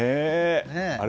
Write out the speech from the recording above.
あれ？